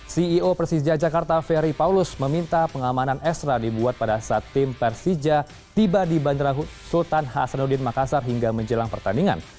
ceo persija jakarta ferry paulus meminta pengamanan ekstra dibuat pada saat tim persija tiba di bandara sultan hasanuddin makassar hingga menjelang pertandingan